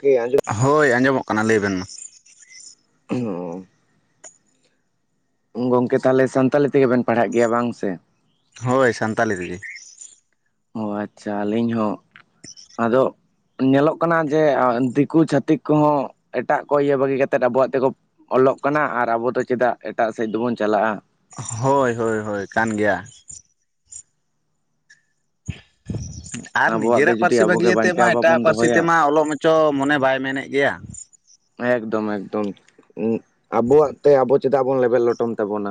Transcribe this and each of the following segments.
ᱠᱮ ᱟᱸᱡᱚᱢ ᱦᱳᱭ ᱟᱸᱡᱚᱢᱚᱜ ᱠᱟᱱᱟ ᱞᱟᱹᱭᱵᱮᱱ ᱢᱟ᱾ ᱚᱸᱻ ᱜᱚᱝᱠᱮ ᱛᱟᱦᱚᱞᱮ ᱥᱟᱱᱛᱟᱞᱤ ᱛᱮᱜᱮᱵᱮᱱ ᱯᱟᱲᱦᱟᱜ ᱜᱮᱭᱟ ᱵᱟᱝ ᱥᱮ? ᱦᱳᱭ ᱥᱟᱱᱛᱟᱞᱤ ᱛᱮᱜᱮ᱾ ᱚ ᱟᱪᱪᱷᱟ ᱟᱹᱞᱤᱧ ᱦᱚᱸ, ᱟᱫᱚ ᱧᱮᱞᱚᱜ ᱠᱟᱱᱟ ᱡᱮ ᱫᱤᱠᱩ ᱪᱷᱟᱹᱛᱤᱠ ᱠᱚᱦᱚᱸ ᱮᱴᱟᱜ ᱠᱚ ᱤᱭᱟᱹ ᱵᱟᱹᱜᱤ ᱠᱟ ᱠᱟᱛᱮᱫ ᱟᱵᱚᱣᱟᱜ ᱛᱮᱠᱚ ᱚᱞᱚᱜ ᱠᱟᱱᱟ ᱟᱨ ᱟᱵᱚ ᱫᱚ ᱪᱮᱫᱟᱜ ᱮᱴᱟᱜ ᱥᱮᱫ ᱫᱚᱵᱚᱱ ᱪᱟᱞᱟᱜᱼᱟ᱾ ᱦᱳᱭ ᱦᱳᱭ ᱦᱳᱭ ᱠᱟᱱ ᱜᱮᱭᱟ᱾ [inaudible] ᱟᱨ ᱟᱵᱚᱣᱟᱜ ᱱᱤᱡᱮᱨᱟᱜ ᱜᱮ ᱡᱩᱫᱤ ᱯᱟᱹᱨᱥᱤ ᱟᱵᱚᱜᱮ ᱵᱟᱹᱜᱤᱭᱟ ᱛᱮ ᱢᱟ ᱵᱟᱧᱪᱟᱣ ᱮᱴᱟᱜ ᱵᱟᱵᱚᱱ ᱯᱟᱹᱨᱥᱤ ᱫᱚᱦᱚᱭᱟ ᱛᱮᱢᱟ ᱚᱞᱚᱜ ᱢᱟᱪᱚ ᱢᱚᱱᱮ ᱵᱟᱭ ᱢᱮᱱᱮᱫ ᱜᱮᱭᱟ᱾ ᱮᱠᱫᱚᱢ ᱮᱠᱫᱚᱢ᱾ ᱟᱵᱚᱣᱟᱜ ᱛᱮ ᱟᱵᱚ ᱪᱮᱫᱟᱜ ᱵᱩᱱ ᱞᱮᱵᱮᱫ ᱞᱚᱴᱚᱢ ᱛᱟᱵᱚᱱᱟ᱾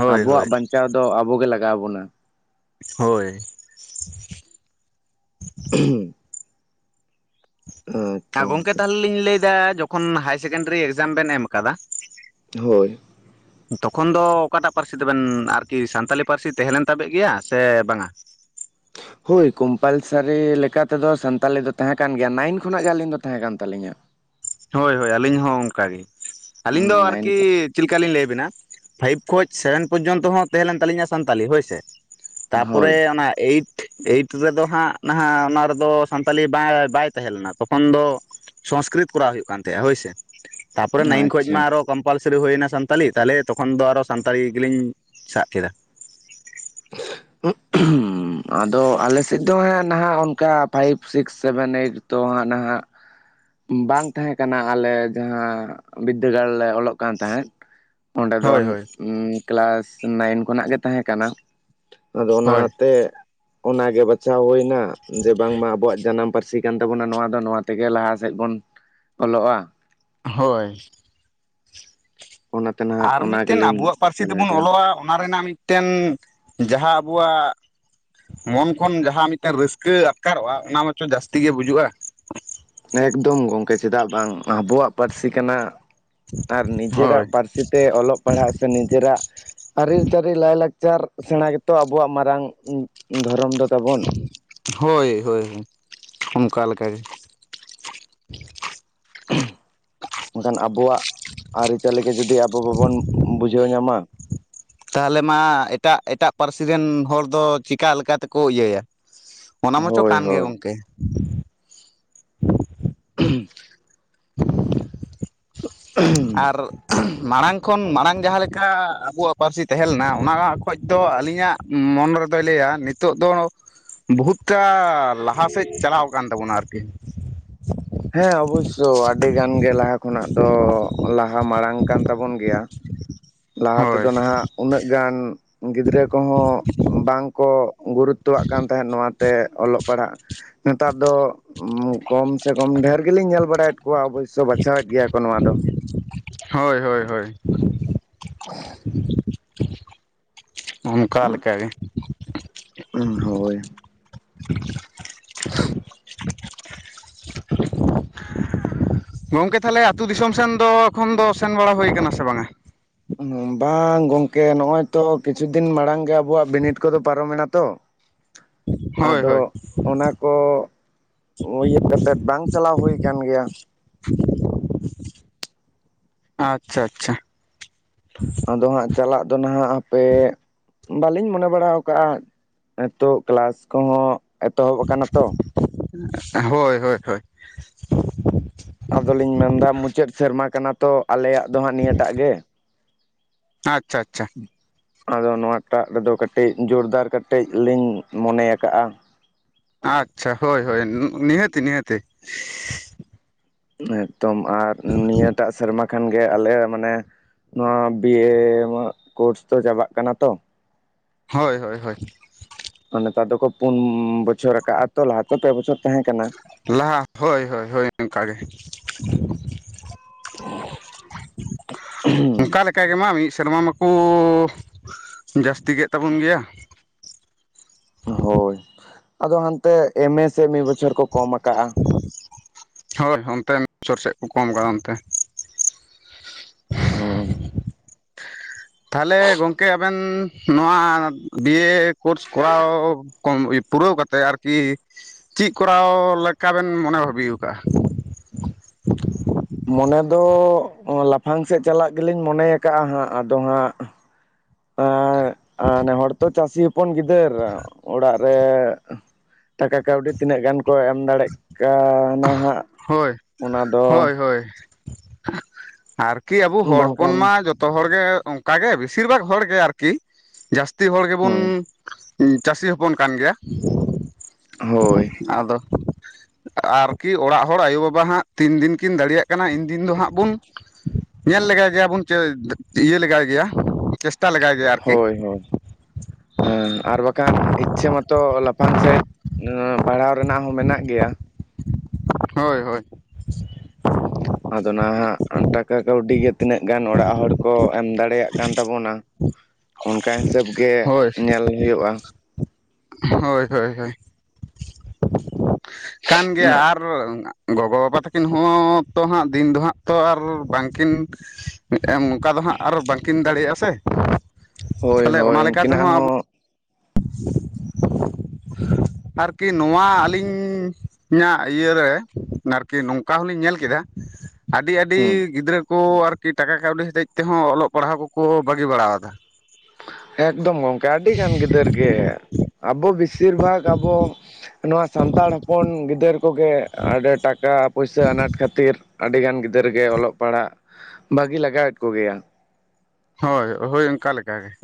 ᱦᱳᱭ ᱟᱵᱚᱣᱟᱜ ᱦᱳᱭ ᱵᱟᱧᱪᱟᱣ ᱫᱚ ᱟᱵᱚᱜᱮ ᱞᱟᱜᱟᱣ ᱵᱚᱱᱟ᱾ ᱦᱳᱭ᱾ [unintelligible] ᱟᱪᱪᱷᱟ ᱜᱚᱢᱠᱮ ᱜᱚᱝᱠᱮ ᱛᱟᱦᱚᱞᱮ ᱞᱤᱧ ᱞᱟᱹᱭᱫᱟ ᱡᱚᱠᱷᱚᱱ ᱦᱟᱭᱟᱨ ᱥᱮᱠᱮᱱᱰᱟᱨᱤ ᱮᱠᱡᱟᱢ ᱵᱮᱱ ᱮᱢ ᱠᱟᱫᱟ, ᱦᱳᱭ, ᱛᱚᱠᱷᱚᱱ ᱫᱚ ᱚᱠᱟᱴᱟᱜ ᱯᱟᱹᱨᱥᱤ ᱛᱮᱵᱮᱱ ᱟᱨᱠᱤ ᱥᱟᱱᱛᱟᱞᱤ ᱯᱟᱹᱨᱥᱤ ᱛᱟᱦᱮᱸ ᱞᱮᱮᱱ ᱛᱟᱵᱮᱜ ᱜᱮᱭᱟ ᱥᱮ ᱵᱟᱝᱟ? ᱦᱳᱭ ᱠᱚᱢᱯᱟᱞᱥᱟᱨᱤ ᱞᱮᱠᱟᱛᱮᱫᱚ ᱥᱟᱱᱛᱟᱞᱤ ᱫᱚ ᱛᱟᱦᱮᱸ ᱠᱟᱱ ᱜᱮᱭᱟ, ᱱᱟᱭᱤᱱ ᱠᱷᱚᱱᱟᱜ ᱜᱮ ᱟᱹᱞᱤᱧ ᱫᱚ ᱛᱟᱦᱮᱸ ᱠᱟᱱ ᱛᱟᱹᱞᱤᱧᱟ᱾ [inaudible] ᱦᱳᱭ ᱦᱳᱭ ᱟᱹᱞᱤᱧ ᱦᱚᱸ ᱚᱱ ᱠᱟᱜᱮ, ᱟᱹᱞᱤᱧ ᱫᱚ ᱱᱟᱭᱤᱱ ᱟᱨᱠᱤ ᱪᱮᱫᱠᱟ ᱞᱞᱤᱧ ᱞᱟᱹᱭᱟᱵᱤᱱᱟ ᱯᱷᱟᱭᱤᱵᱷ ᱠᱷᱚᱱ ᱥᱮᱵᱷᱮᱱ ᱯᱚᱨᱡᱚᱱᱛᱚ ᱦᱚᱸ ᱛᱟᱦᱮᱸ ᱞᱮᱱ ᱛᱟᱹᱞᱤᱧᱟ ᱥᱟᱱᱛᱟᱞᱤ ᱦᱳᱭᱥᱮ ᱛᱟᱯᱚᱨᱮ ᱦᱳᱭ ᱚᱱᱟ ᱮᱭᱤᱴ ᱮᱭᱤᱴ ᱨᱮᱫᱚ ᱦᱟᱸᱜ ᱱᱟᱦᱟᱜ ᱚᱱᱟ ᱨᱮᱫᱚ ᱥᱟᱱᱛᱟᱞᱤ ᱵᱟᱭ ᱛᱟᱦᱮᱸ ᱞᱮᱱᱟ ᱛᱚᱠᱷᱚᱱ ᱫᱚ ᱥᱚᱝᱥᱠᱨᱤᱛ ᱠᱚᱨᱟᱣ ᱦᱩᱭᱩᱜ ᱠᱟᱱ ᱛᱟᱦᱮᱫᱼᱟ ᱦᱳᱭᱥᱮ ᱛᱟᱯᱚᱨᱮ ᱱᱟᱭᱤᱱ ᱠᱷᱚᱱ ᱟᱪᱪᱷᱟ ᱢᱟ ᱟᱨᱚ ᱠᱚᱢᱯᱟᱞᱥᱟᱨᱤ ᱦᱩᱭᱱᱟ ᱥᱟᱱᱛᱟᱞᱤ ᱛᱟᱦᱚᱞᱮ ᱛᱚᱠᱷᱚᱱ ᱫᱚ ᱟᱨᱚ ᱥᱟᱱᱛᱟᱲᱤ ᱜᱮᱞᱤᱧ ᱥᱟᱵ ᱠᱮᱫᱟ᱾ ᱩᱸ [unintelligible] ᱟᱫᱚ ᱟᱞᱮ ᱥᱮᱫ ᱫᱚ ᱦᱟᱜ ᱱᱟᱦᱟᱜ ᱚᱱᱠᱟ ᱯᱷᱟᱭᱤᱵ ᱥᱤᱠᱥ ᱥᱮᱵᱷᱮᱱ ᱮᱭᱤᱴ ᱛᱚ ᱦᱟᱸᱜ ᱱᱟᱦᱟᱜ ᱵᱟᱝ ᱛᱟᱦᱮᱸ ᱠᱟᱱᱟ ᱟᱞᱮ ᱡᱟᱦᱟᱸ ᱵᱤᱫᱽᱫᱟᱹᱜᱟᱲ ᱞᱮ ᱚᱞᱚᱜ ᱠᱟᱱ ᱛᱟᱦᱮᱸᱫ᱾ ᱚᱸᱰᱮ ᱫᱚ ᱦᱳᱭ ᱦᱳᱭ ᱠᱮᱞᱟᱥ ᱱᱟᱭᱤᱱ ᱠᱷᱚᱱᱟᱜ ᱜᱮ ᱛᱟᱦᱮᱸ ᱠᱟᱱᱟ ᱟᱫᱚ ᱦᱳᱭ ᱚᱱᱟᱛᱮ ᱚᱱᱟᱜᱮ ᱵᱟᱪᱷᱟᱣ ᱦᱩᱭᱱᱟ ᱡᱮ ᱵᱟᱝᱢᱟ ᱟᱵᱚᱣᱟᱜ ᱡᱟᱱᱟᱢ ᱯᱟᱹᱨᱥᱤ ᱠᱟᱱ ᱛᱟᱵᱚᱱᱟ ᱱᱚᱶᱟ ᱫᱚ ᱱᱚᱶᱟ ᱛᱮᱜᱮ ᱞᱟᱦᱟ ᱥᱮᱫ ᱵᱚᱱ ᱚᱞᱚᱜᱼᱟ ᱦᱳᱭ ᱚᱱᱟᱛᱮ ᱱᱟᱦᱟᱜ ᱟᱨ ᱚᱱᱟ ᱢᱤᱫ ᱴᱮᱱ ᱜᱮᱞᱤᱧ ᱟᱵᱚᱣᱟᱜ ᱯᱟᱹᱨᱥᱤ ᱥᱮᱞᱟᱭ ᱛᱮᱵᱚᱱ ᱠᱟᱜᱼᱟ ᱚᱞᱚᱜᱼᱟ ᱚᱱᱟ ᱨᱮᱱᱟᱜ ᱢᱤᱫ ᱴᱮᱱ ᱡᱟᱦᱟᱸ ᱟᱵᱚᱣᱟᱜ ᱢᱚᱱ ᱠᱷᱚᱱ ᱡᱟᱦᱟᱸ ᱢᱤᱫ ᱴᱮᱱ ᱨᱟᱹᱥᱠᱟᱹ ᱟᱴᱠᱟᱨᱚᱜᱼᱟ ᱚᱱᱟ ᱢᱟᱛᱚ ᱡᱟᱹᱥᱛᱤ ᱜᱮ ᱵᱩᱡᱩᱜᱼᱟ᱾ ᱮᱠᱫᱚᱢ ᱜᱚᱝᱠᱮ ᱪᱮᱫᱟᱜ ᱵᱟᱝ ᱟᱵᱚᱣᱟᱜᱢ? ᱯᱟᱹᱨᱥᱤ ᱠᱟᱱᱟ ᱟᱨ ᱦᱳᱭ ᱱᱤᱡᱮᱨᱟᱜ ᱯᱟᱹᱨᱥᱤ ᱛᱮ ᱚᱞᱚᱜ ᱯᱟᱲᱦᱟᱜ ᱥᱮ ᱱᱤᱡᱮᱨᱟᱜ ᱟᱹᱨᱤᱪᱟᱹᱞᱤ ᱞᱟᱭᱼᱞᱟᱠᱪᱟᱨ ᱥᱮᱬᱟ ᱜᱮᱛᱚ ᱟᱵᱚᱣᱟᱜ ᱢᱟᱨᱟᱝ ᱫᱷᱚᱨᱚᱢ ᱫᱚ ᱛᱟᱵᱚᱱ ᱦᱳᱭ ᱦᱳᱭ ᱦᱳᱭ ᱚᱱᱠᱟ ᱞᱮᱠᱟ ᱜᱮ ᱢᱮᱱᱠᱷᱟᱱ ᱟᱵᱚᱣᱟᱜ ᱟᱹᱨᱤᱪᱟᱹᱞᱤ ᱜᱮ ᱡᱩᱫᱤ ᱟᱵᱚ ᱵᱟᱵᱚᱱ ᱵᱩᱡᱷᱟᱹᱣ ᱧᱟᱢᱟ ᱛᱟᱦᱚᱞᱮ ᱢᱟ ᱮᱴᱟᱜ ᱮᱴᱟᱜ ᱯᱟᱹᱨᱥᱤ ᱨᱮᱱ ᱦᱚᱲᱫᱚ ᱪᱮᱠᱟ ᱛᱮᱠᱚ ᱤᱭᱟᱹᱭᱟ ᱚᱱᱟ ᱢᱟᱪᱚ ᱦᱳᱭ ᱠᱟᱱ ᱜᱮ ᱦᱳᱭ ᱜᱚᱝᱠᱮ ᱦᱸ ᱟᱨ ᱢᱟᱲᱟᱝ ᱠᱷᱚᱱ ᱢᱟᱲᱟᱝ ᱡᱟᱦᱟᱸᱞᱮ ᱞᱮᱠᱟ ᱟᱵᱚᱣᱟᱜ ᱯᱟᱹᱨᱥᱤ ᱛᱟᱦᱮᱸᱞᱮᱱᱟ ᱚᱱᱟ ᱠᱷᱚᱱ ᱫᱚ ᱟᱹᱞᱤᱧᱟᱜ ᱢᱚᱱᱮ ᱨᱮᱫᱚᱭ ᱞᱟᱹᱭᱟ ᱱᱤᱛᱚᱜ ᱫᱚ ᱵᱚᱦᱩᱛᱴᱟᱜ ᱞᱟᱦᱟᱥᱮᱫ ᱪᱟᱞᱟᱣ ᱟᱠᱟᱱ ᱛᱟᱵᱚᱱᱟ ᱟᱨᱠᱤ ᱦᱮᱸ ᱚᱵᱚᱥᱳ ᱟᱹᱰᱤ ᱜᱟᱱ ᱜᱮ ᱞᱟᱦᱟ ᱠᱷᱚᱱᱟᱜ ᱫᱚ ᱞᱟᱦᱟ ᱢᱟᱲᱟᱝ ᱠᱟᱱ ᱛᱟᱵᱚᱱ ᱜᱮᱭᱟ ᱞᱟᱦᱟ ᱦᱳᱭ ᱛᱮᱫᱚ ᱱᱟᱦᱟᱜ ᱩᱱᱟᱹᱜ ᱜᱟᱱ ᱜᱤᱫᱽᱨᱟᱹ ᱠᱚᱦᱚᱸ ᱵᱟᱝᱠᱚ ᱜᱩᱨᱩᱛᱚᱣᱟᱜ ᱠᱟᱱ ᱛᱟᱦᱮᱸᱫ ᱱᱚᱣᱟᱛᱮ ᱚᱞᱚᱜ ᱯᱟᱲᱦᱟᱜ ᱱᱮᱛᱟᱨ ᱫᱚ ᱠᱚᱢ ᱥᱮ ᱠᱚᱢ ᱰᱷᱮᱨ ᱜᱮᱞᱤᱧ ᱧᱮᱞ ᱵᱟᱲᱟᱭᱮᱫ ᱠᱚᱣᱟ ᱚᱵᱚᱥᱳᱭ ᱵᱟᱪᱷᱟᱣᱮᱫ ᱜᱮᱭᱟ ᱠᱚ ᱱᱚᱶᱟ ᱫᱚ ᱦᱳᱭ ᱦᱳᱭ ᱦᱳᱭ [inaudible] ᱚᱱᱠᱟ ᱞᱮᱠᱟ ᱜᱮ ᱩᱸ ᱦᱳᱭ ᱜᱚᱝᱠᱮ ᱛᱟᱦᱚᱞᱮ ᱟᱹᱛᱩ ᱫᱤᱥᱚᱢ ᱥᱮᱱ ᱫᱚ ᱮᱠᱷᱚᱱ ᱫᱚ ᱥᱮᱱ ᱵᱟᱲᱟ ᱦᱩᱭᱟᱠᱟᱱᱟ ᱥᱮ ᱵᱟᱝᱟ? ᱵᱟᱝ ᱜᱚᱝᱠᱮ ᱱᱚᱜᱚᱭ ᱛᱚ ᱠᱤᱪᱷᱩ ᱫᱤᱱ ᱢᱟᱲᱟᱝ ᱜᱮ ᱟᱵᱚᱣᱟᱜ ᱵᱤᱱᱤᱰ ᱠᱚᱫᱚ ᱯᱟᱨᱚᱢᱮᱱᱟ ᱛᱚ ᱦᱳᱭ ᱟᱫᱚ ᱦᱳᱭ ᱚᱱᱟ ᱠᱚ ᱤᱭᱟᱹ ᱠᱟᱛᱮᱫ ᱵᱟᱝ ᱪᱟᱞᱟᱣ ᱦᱩᱭ ᱟᱠᱟᱱ ᱜᱮᱭᱟ [inaudible] ᱟᱪᱪᱷᱟ ᱟᱪᱷᱟ [inaudible] ᱟᱫᱚ ᱦᱟᱸᱜ ᱪᱟᱞᱟᱜ ᱫᱚ ᱱᱟᱦᱟᱜ ᱦᱟᱯᱮ ᱵᱟᱹᱞᱤᱧ ᱢᱚᱱᱮ ᱵᱟᱲᱟ ᱟᱠᱟᱫᱼᱟ ᱱᱤᱛᱚᱜ ᱠᱮᱞᱟᱥ ᱠᱚᱦᱚᱸ ᱮᱛᱚᱦᱚᱵ ᱟᱠᱟᱱᱟ ᱛᱚ ᱦᱳᱭ ᱦᱳᱭ ᱦᱳᱭ ᱟᱫᱚᱞᱤᱧ ᱢᱮᱱᱫᱟ ᱢᱩᱪᱟᱹᱫ ᱥᱮᱨᱢᱟ ᱠᱟᱱᱟ ᱛᱚ ᱟᱞᱮᱭᱟᱜ ᱫᱚ ᱦᱟᱸᱜ ᱱᱤᱭᱟᱹᱴᱟᱜ ᱜᱮ ᱟᱪᱪᱷᱟ ᱟᱪᱪᱷᱟ ᱟᱫᱚ ᱱᱚᱶᱟᱴᱟᱜ ᱨᱮᱫᱚ ᱠᱟᱹᱴᱤᱡ ᱡᱳᱨᱫᱟᱨ ᱠᱟᱴᱤᱡ ᱞᱤᱧ ᱢᱚᱱᱮᱟᱠᱟᱜᱼᱟ ᱟᱪᱪᱷᱟ ᱦᱳᱭ ᱦᱳᱭ ᱱᱤᱦᱟᱹᱛᱤ ᱱᱤᱦᱟᱹᱛᱤ ᱮᱠᱫᱚᱢ ᱟᱨ ᱱᱤᱭᱟᱹᱴᱟᱜ ᱥᱮᱨᱢᱟ ᱠᱷᱟᱱ ᱜᱮ ᱟᱞᱮ ᱢᱟᱱᱮ ᱱᱚᱣᱟ ᱵᱤᱭᱮ ᱠᱚᱨᱥ ᱫᱚ ᱪᱟᱵᱟᱜ ᱠᱟᱱᱟ ᱛᱚ ᱾ ᱦᱳᱭ ᱦᱳᱭ ᱦᱳᱭ ᱚᱱᱮᱛᱚ ᱟᱫᱚᱠᱚ ᱯᱩᱱ ᱵᱚᱪᱷᱚᱨ ᱟᱠᱟᱼᱟ ᱛᱚ ᱞᱟᱦᱟ ᱛᱮ ᱯᱮ ᱵᱚᱪᱷᱚᱨ ᱛᱟᱦᱮᱸ ᱠᱟᱱᱟ ᱾ ᱞᱟᱦᱟ ᱦᱳᱭ ᱦᱳᱭ ᱦᱳᱭ ᱚᱱᱠᱟᱜ ᱜᱮ ᱚᱱᱠᱟ ᱞᱮᱠᱟ ᱜᱮᱢᱟ ᱢᱤᱫ ᱥᱮᱨᱢᱟ ᱢᱟ ᱾ ᱠᱚᱚ ᱡᱟᱹᱥᱛᱤ ᱠᱮᱫ ᱛᱟᱵᱚᱱ ᱜᱮᱭᱟ ᱾ ᱦᱳᱭ ᱟᱫᱚ ᱦᱟᱱᱛᱮᱮ ᱮᱢᱮ ᱥᱮ ᱢᱤᱫ ᱵᱚᱪᱷᱚᱨ ᱠᱚ ᱠᱚᱢ ᱟᱠᱟᱜᱼᱟ ᱦᱳᱭ ᱚᱱᱛᱮ ᱢᱤᱫᱪᱷᱚᱨ ᱥᱮᱫ ᱠᱚ ᱠᱚᱢ ᱟᱠᱟᱫᱟ ᱚᱱᱛᱮ ᱾ ᱦᱩᱸ ᱛᱟᱦᱚᱞᱮ ᱜᱚᱝᱠᱮ ᱟᱵᱮᱱᱱ ᱱᱚᱣᱟ ᱵᱤᱭᱮ ᱠᱚᱨᱥ ᱠᱚᱨᱟᱣ ᱾ ᱠᱚᱢ ᱯᱩᱨᱟᱹᱣ ᱠᱟᱛᱮᱫ ᱟᱨᱠᱤ ᱪᱮᱫ ᱠᱚᱨᱟᱣ ᱞᱮᱠᱟ ᱵᱮᱱ ᱢᱚᱱᱮ ᱵᱷᱟᱹᱵᱤ ᱣᱠᱟᱼᱟ ᱾ ᱢᱚᱱᱮ ᱫᱚᱚ ᱞᱟᱯᱷᱟᱝ ᱥᱮᱫ ᱪᱟᱞᱟᱜ ᱜᱮᱞᱤᱧ ᱢᱚᱱᱮ ᱟᱠᱟᱜᱼᱟ ᱦᱟᱸᱜ ᱟᱫᱚ ᱦᱟᱸᱜ ᱦᱚᱲᱛᱚ ᱪᱟᱹᱥᱤ ᱦᱚᱯᱚᱱ ᱜᱤᱫᱽᱨ ᱚᱲᱟᱜ ᱨᱮ ᱾ ᱴᱟᱠᱟ ᱠᱟᱹᱣᱰᱤ ᱛᱤᱱᱟᱹᱜ ᱜᱟᱱ ᱠᱚ ᱮᱢ ᱫᱟᱲᱮᱜ ᱠᱟᱟ ᱦᱳᱭ ᱦᱳᱭ ᱦᱳᱭ ᱟᱨᱠᱤ ᱟᱵᱚ ᱦᱚᱲ ᱦᱚᱯᱚᱱ ᱵᱟᱝᱠᱷᱟᱱ ᱢᱟ ᱡᱚ ᱛᱚ ᱦᱚᱲ ᱜᱮ ᱚᱱᱠᱟᱜᱮ ᱵᱮᱥᱤᱨ ᱵᱷᱟᱜ ᱦᱚᱲᱜᱮ ᱟᱨᱠᱤ ᱡᱟ. ᱥᱛᱤ ᱦᱚᱲ ᱦᱩᱸ ᱜᱮᱵᱚᱱ ᱪᱟᱹᱥᱤ ᱦᱚᱯᱚᱱ ᱠᱟᱱ ᱜᱮᱭᱟ ᱦᱳᱭ ᱟᱫᱚ ᱟᱨ ᱠᱤ ᱚᱲᱟᱜ ᱦᱚᱲ ᱟᱭᱳ ᱵᱟᱵᱟ ᱦᱟᱸᱜ ᱛᱤᱱ ᱫᱤᱱ ᱠᱤᱱ ᱫᱟᱲᱮᱭᱟᱜ ᱠᱟᱱᱟ ᱤᱱ ᱫᱤᱱ ᱫᱚ ᱦᱟᱸᱜ ᱵᱚᱱ ᱧᱮᱞ ᱞᱮᱜᱟᱭ ᱜᱮᱭᱟᱵᱚᱱ ᱪᱮ ᱤᱭᱟᱹ ᱞᱮᱜᱟᱭ ᱜᱮᱭᱟ ᱪᱮᱥᱴᱟ ᱞᱮᱜᱟᱭ ᱾ ᱦᱳᱭ ᱦᱳᱭ ᱦᱮᱸ ᱟᱨ ᱵᱟᱠᱷᱟᱱ ᱤᱪᱪᱷᱟᱹ ᱢᱟᱛᱚ ᱞᱟᱯᱷᱟᱝ ᱥᱮᱜ ᱯᱟᱲᱦᱟᱣ ᱨᱮᱱᱟᱜ ᱦᱚᱸ ᱢᱮᱱᱟᱜ ᱜᱮᱭᱟ ᱦᱳᱭ ᱦᱳᱭ ᱟᱫᱚ ᱱᱟᱦᱟᱜ ᱴᱟᱠᱟ ᱠᱟᱣᱰᱤ ᱜᱮ ᱛᱤᱱᱟᱹᱜ ᱜᱟᱱ ᱚᱲᱟᱜ ᱦᱚᱲ ᱠᱚ ᱮᱢ ᱫᱟᱲᱮᱭᱟᱜ ᱠᱟᱱ ᱛᱟᱵᱚᱱᱟ ᱾ ᱚᱱᱠᱟ ᱦᱤᱥᱟᱹᱵ ᱜᱮ ᱦᱳᱭ ᱧᱮᱞ ᱦᱩᱭᱩᱼᱟ ᱦᱳᱭ ᱦᱳᱭ ᱦᱳᱭ ᱠᱟᱱ ᱜᱮᱭᱟ ᱟᱨ ᱜᱚᱜᱚ ᱵᱟᱵᱟ ᱛᱟᱠᱤᱱ ᱦᱚᱸ ᱛᱚ ᱦᱟᱸᱜ ᱫᱤᱱ ᱫᱚ ᱦᱟᱸᱜ ᱛᱚ ᱟᱨ ᱵᱟᱝᱠᱤᱱ ᱚᱱᱠᱟ ᱫᱚ ᱦᱟᱸᱜ ᱟᱨ ᱵᱟᱝᱠᱤᱱ ᱫᱟᱲᱮᱭᱟᱜᱼᱟ ᱥᱮ ᱦᱳᱭ ᱪᱷᱮᱞᱮ ᱦᱳᱭ ᱚᱱᱟ ᱞᱮᱠᱟ ᱩᱱᱠᱤᱱᱟᱜ ᱛᱮᱦᱚᱸ ᱟᱵᱚ ᱦᱚᱸ [unintelligible] ᱟᱨᱠᱤ ᱱᱚᱣᱟ ᱟᱹᱞᱤᱧ ᱧᱟᱜ ᱤᱭᱟᱹ ᱨᱮ ᱱᱟᱨᱠᱤ ᱱᱚᱝᱠᱟ ᱦᱚᱞᱤᱧ ᱧᱮᱞ ᱠᱮᱫᱟ ᱾ ᱟᱰᱤ ᱟᱰᱤ ᱦᱩᱸ ᱜᱤᱫᱽᱨᱟᱹ ᱠᱚ ᱟᱨᱠᱤ ᱴᱟᱠᱟ ᱠᱟᱣᱰᱤ ᱦᱚᱛᱮᱡ ᱛᱮᱦᱚᱸ ᱚᱞᱚᱜ ᱯᱟᱲᱦᱟᱣ ᱠᱚᱠᱚ ᱵᱟᱜᱤ ᱵᱟᱲᱟᱣᱫᱟ ᱾ ᱮᱠᱫᱚᱢ ᱜᱚᱝᱠᱮ ᱟᱰᱤ ᱜᱟᱱ ᱜᱤᱫᱟᱹᱨ ᱜᱮ ᱟᱵᱚ ᱵᱮᱥᱤᱨ ᱵᱷᱟᱜᱽ ᱟᱵᱚ ᱾ ᱱᱚᱣᱟ ᱥᱟᱱᱛᱟᱲ ᱦᱚᱯᱚᱱ ᱜᱤᱫᱟᱹᱨ ᱠᱚᱜᱮ ᱟᱰᱮ ᱴᱟᱠᱟ ᱯᱩᱭᱥᱟᱹ ᱟᱱᱟᱴ ᱠᱷᱟᱹᱛᱤᱨ ᱾ ᱟᱰᱤᱜᱟᱱ ᱜᱤᱫᱟᱹᱨ ᱜᱮ ᱚᱞᱚᱜ ᱯᱟᱲᱦᱟᱜ ᱵᱟᱜᱤ ᱞᱟᱜᱟᱣᱮᱫ ᱠᱚᱜᱮᱭᱟ ᱾ ᱦᱳᱭ ᱦᱳᱭ ᱚᱱᱠᱟ ᱞᱮ ᱞᱮᱠᱟ ᱜᱮ ᱾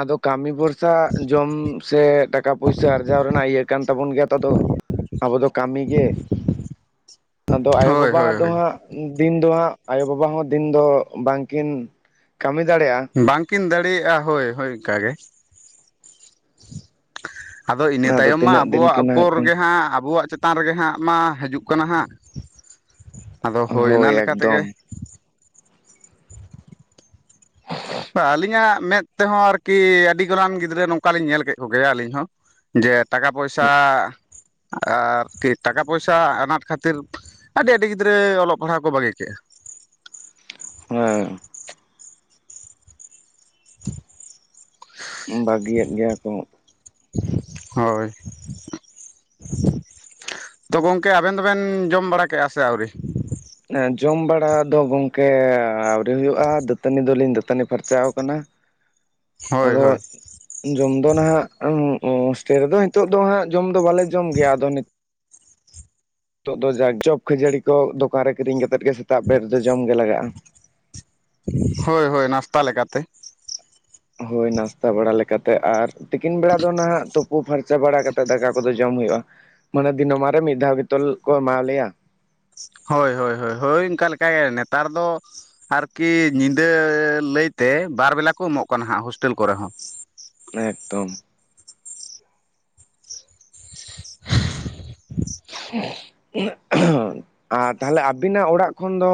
ᱟᱫᱚ ᱠᱟ. ᱢᱤ ᱵᱚᱨᱥᱟ ᱡᱚᱢ ᱥᱮ ᱴᱟᱠᱟ ᱯᱩᱭᱥᱟ ᱟᱨᱡᱟᱣ ᱨᱮᱱᱟᱜ ᱤᱭᱟᱹ ᱠᱟᱱ ᱛᱟᱵᱚᱱ ᱜᱮᱭᱟ ᱛᱚ ᱫᱚ ᱾ ᱟᱵᱚ ᱫᱚ ᱠᱟᱹᱢᱤ ᱜᱮ ᱟᱫᱚ ᱟᱭᱳ ᱦᱳᱭ ᱵᱟᱵᱟ ᱦᱳᱭ ᱫᱚ ᱦᱳᱭ ᱦᱟᱸᱜ ᱾ ᱫᱤᱱ ᱫᱚ ᱦᱟᱸᱜ ᱟᱭᱳ ᱵᱟᱵᱟ ᱦᱚᱸ ᱫᱤᱱ ᱫᱚ ᱵᱟᱝᱠᱤᱱ ᱠᱟ. ᱢᱤ ᱫᱟᱲᱮᱜᱼᱟ ᱾ ᱵᱟᱝᱠᱤᱱ ᱫᱟᱲᱮᱭᱟᱜᱼᱟ ᱦᱳᱭ ᱦᱳᱭ ᱚᱸᱠᱟ ᱜᱮ ᱾ ᱟᱫᱚ ᱤᱱᱟᱹ ᱛᱟᱭᱚᱢ ᱢᱟ ᱛᱤᱱᱟᱹᱜ ᱫᱤᱱ ᱟᱵᱚᱣᱟᱜ ᱠᱤᱱ ᱦᱟᱸᱜ ᱩᱯᱚᱨ ᱠᱤᱱ ᱜᱮ ᱦᱟᱸᱜ ᱟᱵᱚᱣᱟᱜ ᱪᱮᱫ ᱾ ᱪᱮᱛᱟᱱ ᱨᱮᱜᱮ ᱦᱟᱸᱜ ᱢᱟ ᱦᱤᱡᱩᱜ ᱠᱟᱱᱟ ᱦᱟᱸᱜ ᱟᱫᱚ ᱦᱳᱭ ᱚᱱᱟ ᱞᱮᱠᱟ ᱛᱮᱜᱮ ᱾ ᱟᱞᱤᱧᱟᱜ ᱢᱮᱫ ᱾ ᱛᱮᱦᱚᱸ ᱟᱨᱠᱤ ᱟᱰᱤ ᱜᱚᱞᱟᱱ ᱜᱤᱫᱽᱨᱟᱹ ᱱᱚᱝᱠᱟᱞᱤᱧ ᱧᱮᱞ ᱠᱮᱫ ᱠᱚᱜᱮᱭᱟ ᱟᱞᱤᱧ ᱦᱚᱸ ᱾ ᱡᱮ ᱴᱟᱠᱟ ᱯᱚᱭᱥᱟ ᱦᱮᱸ ᱾ ᱟᱨᱠᱤ ᱴᱟᱠᱟ ᱯᱚᱭᱥᱟ ᱟᱱᱟᱴ ᱠᱷᱟᱛᱤᱨ ᱟᱰᱤ ᱟᱰᱤ ᱜᱤᱫᱽᱨᱟᱹ ᱚᱞᱚᱜ ᱯᱟᱲᱦᱟᱣ ᱠᱚ ᱵᱟᱹᱜᱤ ᱠᱮᱜᱼᱟ ᱦᱩᱸ ᱾ [unintelligible] ᱵᱟᱜᱤᱭᱮᱫ ᱜᱮᱭᱟ ᱠᱚ᱾ ᱦᱳᱭ᱾ ᱛᱚ ᱜᱚᱝᱠᱮ ᱟᱵᱮᱱ ᱫᱚᱵᱮᱱ ᱡᱚᱢ ᱵᱟᱲᱟ ᱠᱮᱜᱼᱟ ᱥᱮ ᱟᱹᱣᱨᱤ? ᱡᱚᱢ ᱵᱟᱲᱟ ᱫᱚ ᱜᱚᱝᱠᱮ ᱟᱣᱨᱤ ᱦᱩᱭᱩᱜᱼᱟ ᱫᱟᱹᱛᱟᱹᱱᱤ ᱫᱚᱞᱤᱧ ᱫᱟᱹᱛᱟᱹᱱᱤ ᱯᱷᱟᱨᱪᱟᱣ ᱟᱠᱟᱱᱟ᱾ ᱦᱳᱭ ᱟᱫᱚ ᱦᱳᱭ ᱡᱚᱢ ᱫᱚ ᱱᱟᱦᱟᱜ ᱦᱳᱥᱴᱮᱞ ᱨᱮᱫᱚ ᱱᱤᱛᱚᱜ ᱫᱚ ᱦᱟᱸᱜ ᱡᱚᱢ ᱫᱚ ᱵᱟᱞᱮ ᱡᱚᱢ ᱜᱮᱭᱟ ᱟᱫᱚ ᱱᱤᱛᱚᱜ ᱫᱚ ᱡᱟ ᱪᱚᱯ ᱠᱷᱟᱹᱡᱟᱹᱲᱤ ᱠᱚ ᱫᱚᱠᱟᱱ ᱨᱮ ᱠᱤᱨᱤᱧ ᱠᱟᱛᱮᱫ ᱜᱮ ᱥᱮᱛᱟᱜ ᱯᱟᱣᱟᱨ ᱨᱮ ᱫᱚ ᱡᱚᱢ ᱜᱮ ᱞᱟᱜᱟᱜᱼᱟ᱾ ᱦᱳᱭ ᱦᱳᱭ ᱱᱟᱥᱛᱟ ᱞᱮᱠᱟᱛᱮ᱾ ᱦᱳᱭ ᱱᱟᱥᱛᱟ ᱵᱟᱲᱟ ᱞᱮᱠᱟᱛᱮ ᱟᱨ ᱛᱤᱠᱤᱱ ᱵᱮᱲᱟ ᱫᱚ ᱱᱟᱦᱟᱜ ᱛᱩᱯᱩ ᱯᱷᱟᱨᱪᱟ ᱵᱟᱲᱟ ᱠᱟᱛᱮ ᱫᱟᱠᱟ ᱠᱚᱫᱚ ᱡᱚᱢ ᱦᱩᱭᱩᱜᱼᱟ ᱢᱟᱱᱮ ᱫᱤᱱᱚᱢᱟᱱ ᱨᱮ ᱢᱤᱫ ᱫᱷᱟᱣ ᱜᱮᱛᱚ ᱠᱚ ᱮᱢᱟᱣ ᱞᱮᱭᱟ᱾ ᱦᱳᱭ ᱦᱳᱭ ᱦᱳᱭ ᱦᱳᱭ ᱚᱱᱠᱟ ᱞᱮᱠᱟ ᱜᱮ ᱱᱮᱛᱟᱨ ᱫᱚ ᱟᱨᱠᱤ ᱧᱤᱫᱟᱹ ᱞᱟᱹᱭᱛᱮ ᱵᱟᱨ ᱵᱮᱞᱟ ᱠᱚ ᱮᱢᱚᱜ ᱠᱟᱱᱟ ᱦᱟᱸᱜ ᱦᱳᱥᱴᱮᱞ ᱠᱚᱨᱮ ᱦᱚᱸ᱾ ᱮᱠᱫᱚᱢ [unintelligible] ᱟᱨ ᱛᱟᱦᱞᱮ ᱟᱵᱤᱱᱟᱜ ᱚᱲᱟᱜ ᱠᱷᱚᱱ ᱫᱚ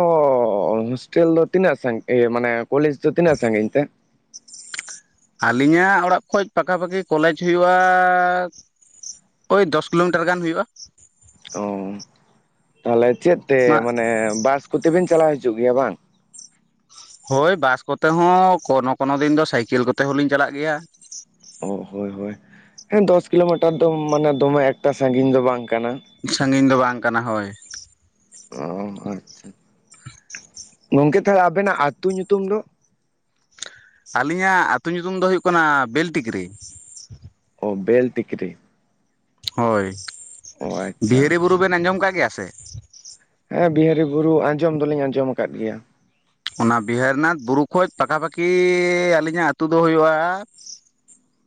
ᱦᱳᱥᱴᱮᱞ ᱫᱚ ᱛᱤᱱᱟᱹᱜ ᱥᱟᱸ ᱤᱭᱟᱹ ᱢᱟᱱᱮ ᱠᱚᱞᱮᱡ ᱫᱚ ᱛᱤᱱᱟᱹᱜ ᱥᱟᱸᱜᱤᱧ ᱛᱮ? ᱟᱞᱤᱧᱟᱜ ᱚᱲᱟᱜ ᱠᱷᱚᱡ ᱯᱟᱠᱷᱟ ᱯᱟᱠᱷᱤ ᱠᱚᱞᱮᱡ ᱦᱩᱭᱩᱜᱼᱟᱻᱟ ᱳᱭ ᱫᱚᱥ ᱠᱤᱞᱳᱢᱤᱴᱟᱨ ᱜᱟᱱ ᱦᱩᱭᱩᱜᱼᱟ᱾ ᱚ ᱛᱟᱞᱦᱮ ᱪᱮᱫ ᱛᱮ ᱢᱟᱱᱮ ᱵᱟᱥ ᱠᱚᱛᱮᱵᱤᱱ ᱪᱟᱞᱟᱣ ᱦᱤᱡᱩᱜ ᱜᱮᱭᱟ ᱵᱟᱝ ᱦᱳᱭ ᱵᱟᱥ ᱠᱚᱛᱮ ᱦᱚᱸ ᱠᱚᱱᱚ ᱠᱚᱱᱚ ᱫᱤᱱ ᱫᱚ ᱥᱟᱭᱠᱮᱞ ᱠᱚᱛᱮ ᱦᱚᱞᱤᱧ ᱪᱟᱞᱟᱜ ᱜᱮᱭᱟ᱾ ᱚ ᱦᱳᱭ ᱦᱳᱭ ᱦᱮᱸ ᱫᱚᱥ ᱠᱤᱞᱳᱢᱤᱴᱟᱨ ᱫᱚ ᱢᱟᱱᱮ ᱫᱚᱢᱮ ᱮᱠᱴᱟ ᱥᱟᱸᱜᱤᱧ ᱫᱚ ᱵᱟᱝ ᱠᱟᱱᱟ᱾ ᱥᱟᱸᱜᱤᱧ ᱫᱚ ᱵᱟᱝ ᱠᱟᱱᱟ ᱦᱚᱭ᱾ ᱚ ᱟᱪᱪᱷᱟ ᱜᱚᱝᱠᱮ ᱛᱟᱦᱚᱞᱮ ᱟᱵᱮᱱᱟᱜ ᱟᱛᱩ ᱧᱩᱛᱩᱢ ᱫᱚ? ᱟᱹᱞᱤᱧᱟᱜ ᱟᱛᱩ ᱧᱩᱛᱩᱢ ᱫᱚ ᱦᱩᱭᱩᱜ ᱠᱟᱱᱟ ᱵᱤᱞᱴᱤᱠᱨᱤ᱾ ᱚ ᱵᱮᱞᱴᱤᱠᱨᱤ ᱦᱳᱭ ᱚ ᱟᱪᱪᱷᱟ ᱵᱤᱦᱨᱤ ᱵᱩᱨᱩ ᱟᱪᱪᱷᱟ ᱵᱮᱱ ᱟᱸᱡᱚᱢ ᱠᱟᱜ ᱜᱮᱭᱟ ᱥᱮ ᱦᱮᱸ ᱵᱤᱦᱟᱹᱨᱤ ᱵᱩᱨᱩ ᱟᱸᱡᱚᱢ ᱫᱚᱞᱤᱧ ᱟᱸᱡᱚᱢ ᱠᱟᱫ ᱜᱮᱭᱟ᱾ ᱚᱱᱟ ᱵᱤᱦᱟᱨᱤᱱᱟᱛ ᱵᱩᱨᱩ ᱠᱷᱚᱡ ᱯᱟᱠᱷᱟ ᱯᱟᱠᱤ ᱟᱞᱤᱧᱟᱜ ᱟᱛᱩ ᱫᱚ ᱦᱩᱭᱩᱜᱼᱟ᱾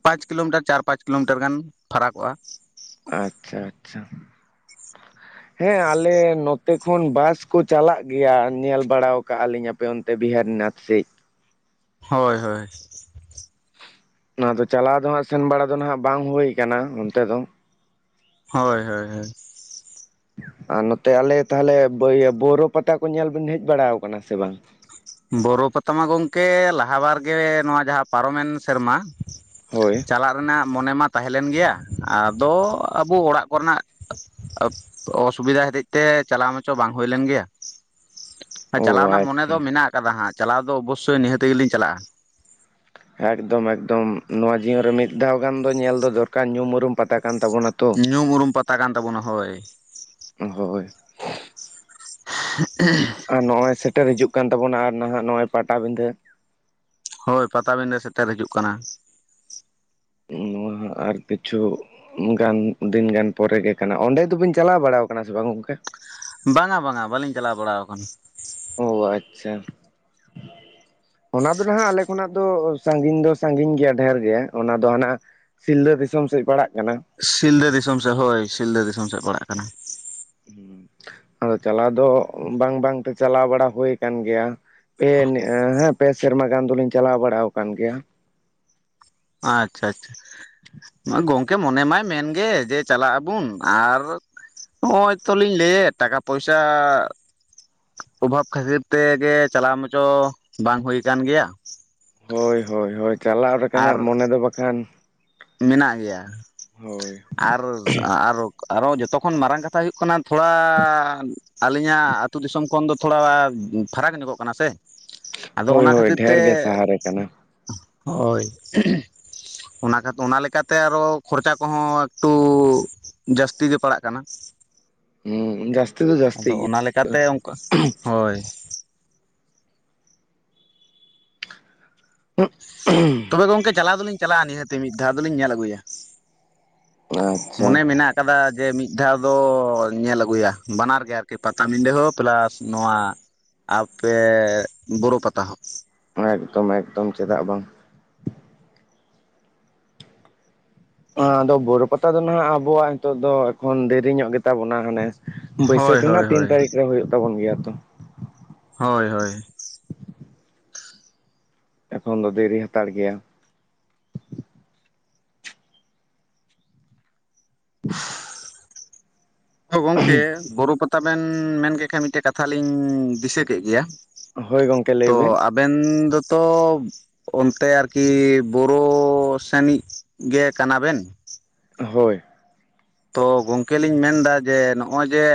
ᱯᱟᱸᱪ ᱠᱤᱞᱳᱢᱤᱴᱟᱨ ᱪᱟᱨ ᱯᱟᱸᱪ ᱠᱤᱞᱳᱢᱤᱴᱟᱨ ᱜᱟᱱ ᱯᱷᱟᱨᱟᱠᱚᱜᱼᱟ᱾ ᱟᱪᱪᱷᱟ ᱟᱪᱪᱷᱟ ᱦᱮᱸ ᱟᱞᱮ ᱱᱚᱛᱮ ᱠᱷᱚᱱ ᱵᱟᱥ ᱠᱚ ᱪᱟᱞᱟᱜ ᱜᱮᱭᱟ ᱧᱮᱞ ᱵᱟᱲᱟᱣ ᱠᱟᱜᱼ ᱞᱤᱧ᱾ ᱯᱮ ᱚᱱᱛᱮ ᱵᱤᱦᱟᱨᱤᱱᱟᱛ ᱥᱮᱜ ᱦᱳᱭ ᱦᱳᱭ ᱚᱱᱟ ᱫᱚ ᱪᱟᱞᱟᱣ ᱫᱚᱦᱟᱸᱜ ᱥᱮᱱ ᱵᱟᱲᱟ ᱫᱚ ᱱᱟᱸᱜ ᱵᱟᱝ ᱦᱩᱭ ᱠᱟᱱᱟ ᱚᱱᱛᱮ ᱫᱚ ᱦᱳᱭ ᱦᱳᱭ ᱦᱳᱭ ᱟᱨ ᱱᱚᱛᱮ ᱟᱞᱮ ᱛᱟᱦᱮᱞᱮ ᱵᱟᱹᱭ ᱵᱟᱹᱣᱨᱟᱹ ᱯᱟᱛᱟ ᱠᱚ ᱧᱮᱞ ᱵᱮᱱ ᱦᱮᱡ ᱵᱟᱲᱟᱣ ᱠᱟᱱᱟ ᱥᱮ ᱵᱟᱝ ᱵᱳᱨᱳ ᱯᱟᱛᱟ ᱢᱟ ᱜᱚᱝᱠᱮ ᱞᱟᱦᱟ ᱵᱟᱨᱜᱮ ᱱᱚᱣᱟ ᱡᱟᱦᱟ ᱯᱟᱨᱚᱢᱮᱱ ᱥᱮᱨᱢᱟ ᱦᱳᱭ ᱪᱟᱞᱟᱜ ᱨᱮᱱᱟᱜ ᱢᱚᱱᱮ ᱢᱟ ᱛᱟᱦᱮ ᱞᱮᱱ ᱜᱮᱭᱟ ᱟᱫᱚ ᱟᱵᱚ ᱚᱲᱟᱜ ᱠᱚᱨᱮᱱᱟᱜ ᱟᱹᱯ ᱚᱥᱵᱤᱫᱟ ᱦᱟᱹᱛᱮᱡ ᱛᱮ ᱪᱟᱞᱟᱣ ᱢᱟᱪᱚ ᱵᱟᱝ ᱦᱩᱭᱞᱮᱱ ᱜᱮᱭᱟ [unintelligible] ᱪᱟᱞᱟᱣ ᱨᱮᱱᱟᱜ ᱢᱚᱱᱮ ᱫᱚ ᱟᱪᱪᱷᱟ ᱢᱮᱱᱟᱜ ᱠᱟᱫᱟ ᱦᱟᱸᱜ ᱪᱟᱞᱟᱣ ᱫᱚ ᱚᱵᱚᱥᱥᱳᱭ ᱱᱤᱦᱟᱹᱛᱤ ᱜᱮᱞᱤᱧ ᱪᱟᱞᱟᱜᱼᱟ᱾ ᱮᱠᱫᱚᱢ ᱮᱠᱫᱚᱢ ᱱᱚᱣᱟ ᱡᱤᱭᱚᱱ ᱨᱮ ᱢᱤᱫ ᱫᱷᱟᱣ ᱜᱟᱱ ᱫᱚ ᱧᱮᱞ ᱫᱚ ᱫᱚᱨᱠᱟᱨ ᱧᱩᱢ ᱩᱨᱩᱢ ᱯᱟᱛᱟ ᱠᱟᱱ ᱛᱟᱵᱚᱱᱟᱛᱚ᱾ ᱧᱩᱢ ᱩᱨᱩᱢ ᱯᱟᱛᱟ ᱠᱟᱱ ᱛᱟᱵᱚᱱᱟ ᱦᱳᱭ᱾ ᱦᱳᱭ [unintelligible] ᱟᱨ ᱱᱚᱜᱼᱚᱭ ᱥᱮᱴᱮᱨ ᱦᱤᱡᱩᱜ ᱠᱟᱱ ᱛᱟᱵᱚᱱᱟ ᱟᱨ ᱱᱟ ᱦᱟᱸᱜ ᱱᱚᱜᱼᱚᱭ ᱯᱟᱴᱟᱵᱤᱸᱫᱷᱟᱹ᱾ ᱦᱳᱭ ᱯᱟᱛᱟᱵᱤᱸᱫᱟᱹ ᱥᱮᱛᱮᱨ ᱦᱤᱡᱩᱜ ᱠᱟᱱᱟ ᱱᱚᱶᱟ ᱟᱨ ᱠᱤᱪᱷᱩ ᱜᱟᱱ ᱫᱤᱱ ᱜᱟᱱ ᱯᱚᱨᱮ ᱜᱮ ᱠᱟᱱᱟ ᱚᱸᱰᱮ ᱫᱚᱵᱤᱱ ᱪᱟᱞᱟᱣ ᱵᱟᱲᱟᱣ ᱠᱟᱱᱟ ᱥᱮ ᱵᱟᱝ ᱜᱚᱝᱠᱟ ᱵᱟᱝᱟ ᱵᱟᱝᱟ ᱵᱟᱞᱤᱧ ᱪᱟᱞᱟᱣ ᱵᱟᱲᱟ ᱠᱟᱱᱟ ᱳᱻ ᱟᱪᱪᱷᱟ [inaudible] ᱚᱱᱟ ᱫᱚ ᱱᱟᱜ ᱟᱞᱮ ᱠᱷᱚᱱᱟᱜ ᱫᱚ ᱥᱟᱸᱜᱤᱧ ᱫᱚ ᱥᱟᱸᱜᱤᱧ ᱜᱮᱭᱟ ᱰᱷᱹᱮᱨ ᱜᱮ ᱚᱱᱟ ᱫᱚ ᱦᱟᱱᱟ ᱥᱤᱞᱫᱟᱹ ᱫᱤᱥᱚᱢ ᱥᱮᱫ ᱯᱟᱲᱟᱜ ᱠᱟᱱᱟ ᱥᱤᱞᱫᱟᱹ ᱫᱤᱥᱚᱢ ᱥᱮᱜ ᱦᱳᱭ ᱥᱤᱞᱫᱟᱹ ᱫᱤᱥᱚᱢ ᱥᱮᱫ ᱯᱟᱲᱟᱜ ᱠᱟᱱᱟ ᱦᱩᱸᱻ ᱟᱫᱚ ᱪᱟᱞᱟᱣ ᱫᱚ ᱵᱟᱝ ᱵᱟᱝᱛᱮ ᱪᱟᱞᱟᱣ ᱵᱟᱲᱟ ᱦᱩᱭ ᱠᱟᱱ ᱜᱮᱭᱟ ᱯᱮᱱ ᱦᱮᱸ ᱯᱮ ᱥᱮᱨᱢᱟ ᱜᱟᱱ ᱫᱚᱞᱤᱧ ᱪᱟᱞᱟᱣ ᱵᱟᱲᱟᱣ ᱠᱟᱱ ᱜᱮᱭᱟ ᱟᱪᱪᱷᱟ ᱟᱪᱪᱷᱟ ᱜᱚᱝᱠᱮ ᱢᱚᱱᱮ ᱢᱟᱭ ᱢᱮᱱᱜᱮ ᱡᱮ ᱪᱟᱞᱟᱜ ᱟᱵᱚᱱ ᱟᱨ ᱱᱚᱜᱼᱚᱭ ᱛᱚᱞᱤᱧ ᱞᱟᱹᱭᱮᱫ ᱴᱟᱠᱟ ᱯᱳᱭᱥᱟ ᱳᱵᱷᱟᱵ ᱠᱷᱟᱛᱤᱨ ᱛᱮ ᱜᱮ ᱪᱟᱞᱟᱣ ᱢᱟᱪᱚ ᱵᱟᱝ ᱦᱩᱭ ᱠᱟᱱ ᱜᱮᱭᱟ ᱦᱳᱭ ᱦᱳᱭ ᱦᱳᱭ ᱪᱟᱞᱟᱜ ᱟᱨ ᱞᱮᱠᱟᱱᱟᱜ ᱢᱚᱱᱮ ᱫᱚ ᱵᱟᱠᱷᱟᱱ ᱢᱮᱱᱟᱜ ᱜᱮᱭᱟ ᱦᱳᱭ ᱟᱨᱥ ᱟᱨ ᱟᱨᱚ ᱡᱚᱛᱚᱠᱷᱚᱱ ᱢᱟᱨᱟᱝ ᱠᱟᱛᱷᱟ ᱦᱩᱭᱩᱜ ᱠᱟᱱᱟ ᱛᱷᱚᱲᱟᱻ ᱟᱹᱞᱤᱧᱟᱜ ᱟᱛᱩ ᱫᱤᱥᱚᱢ ᱠᱷᱚᱱ ᱫᱚ ᱛᱷᱳᱲᱟ ᱯᱷᱟᱨᱟᱠ ᱧᱚᱜᱚᱜ ᱠᱟᱱᱟ ᱥᱮ ᱟᱫᱚ ᱦᱳᱭ ᱚᱱᱟ ᱦᱳᱭ ᱠᱷᱟᱛᱤᱨ ᱛᱮ ᱰᱷᱮᱨ ᱜᱮ ᱥᱟᱦᱟᱨᱮ ᱠᱟᱱᱟ ᱦᱳᱭ ᱚᱱᱟ ᱠᱷᱟᱛ ᱚᱱᱟ ᱞᱮᱠᱟᱛᱮ ᱟᱨᱚ ᱠᱷᱚᱨᱪᱟ ᱠᱚᱦᱚᱸ ᱨᱳᱻ ᱡᱟᱥᱛᱤ ᱜᱮ ᱯᱟᱲᱟᱜ ᱠᱟᱱᱟ ᱦᱩᱸ ᱡᱟᱹᱥᱛᱤ ᱫᱚ ᱟᱫᱚ ᱡᱟᱹᱥᱛᱤ ᱚᱱᱟᱞᱮᱠᱟᱛᱮ ᱚᱝᱠᱟᱜ ᱼᱼ ᱦᱳᱭ ᱜᱮᱭᱟ ᱛᱚᱵᱮ ᱜᱚᱝᱠᱮ ᱪᱟᱞᱟᱣ ᱫᱚᱞᱤᱧ ᱪᱟᱞᱟᱜᱼᱟ ᱱᱤᱦᱟᱹᱛᱤ ᱢᱤᱫ ᱫᱷᱟᱣ ᱫᱚᱞᱤᱧ ᱧᱮᱞ ᱟᱹᱜᱩᱭᱟ ᱟᱪᱪᱷᱟ ᱢᱚᱱᱮ ᱢᱮᱱᱟᱜ ᱠᱟᱫᱟ ᱡᱮ ᱢᱤᱫ ᱫᱷᱟᱣ ᱫᱚ ᱧᱮᱞ ᱟᱹᱜᱩᱭᱟ ᱵᱟᱱᱟᱨ ᱜᱮ ᱟᱨᱠᱤ ᱯᱟᱛᱟᱵᱤᱸᱰᱷᱟᱹ ᱦᱚᱸ ᱯᱞᱟᱥ ᱱᱚᱶᱟ ᱟᱯᱮ ᱵᱩᱨᱩ ᱯᱟᱛᱟ ᱦᱚᱸ ᱮᱠᱫᱚᱢ ᱮᱠᱫᱚᱢ ᱪᱮᱫᱟᱜ ᱵᱟᱝ ᱟᱫᱚ ᱵᱚᱨᱚ ᱯᱟᱛᱟ ᱫᱚ ᱱᱟᱦᱟᱜ ᱟᱵᱚᱣᱟᱜ ᱱᱤᱛᱚᱜ ᱫᱚ ᱮᱠᱷᱚᱱ ᱫᱮᱨᱤ ᱧᱚᱜ ᱜᱮᱛᱟ ᱵᱚᱱᱟ ᱦᱟᱱᱮ ᱦᱳᱭ ᱵᱟᱹᱭᱥᱟᱹᱠᱷ ᱨᱮᱱᱟᱜ ᱦᱳᱭ ᱛᱤᱱ ᱦᱳᱭ ᱛᱟᱹᱨᱤᱠᱷ ᱨᱮ ᱦᱩᱭᱩᱜ ᱛᱟᱵᱚᱱ ᱜᱮᱭᱟ ᱛᱚ ᱦᱳᱭ ᱦᱳᱭ ᱮᱠᱷᱚᱱ ᱫᱚ ᱫᱮᱨᱤ ᱦᱟᱛᱟᱲ ᱜᱮᱭᱟ ᱛᱚ ᱜᱚᱝᱠᱮ ᱵᱩᱨᱩᱚ ᱯᱟᱛᱟᱵᱮᱱ ᱢᱮᱱ ᱠᱮ ᱠᱷᱟᱱ ᱢᱤᱫᱴᱮᱱ ᱠᱟᱛᱷᱟ ᱞᱤᱧ ᱫᱤᱥᱟᱹ ᱠᱮᱫ ᱜᱮᱭᱟ ᱦᱳᱭ ᱜᱚᱝᱠᱮ ᱞᱟᱹᱭ ᱛᱚ ᱵᱤᱱ ᱟᱵᱮᱱ ᱫᱚᱛᱚ ᱚᱱᱛᱮ ᱟᱨᱠᱤ ᱵᱩᱨᱩ ᱥᱮᱱᱤᱡ ᱜᱮ ᱠᱟᱱᱟᱵᱮᱱ ᱦᱳᱭ ᱛᱚ ᱜᱚᱝᱠᱮ ᱞᱤᱧ ᱢᱮᱱᱫᱟ ᱡᱮ ᱱᱚᱜᱼᱚᱭ ᱡᱮ